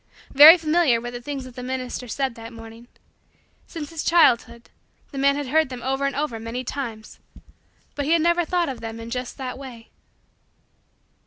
Very familiar were the things that the minister said that morning. Since his childhood, the man had heard them over and over many times; but he had never before thought of them in just that way.